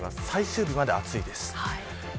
最終日まで暑いです。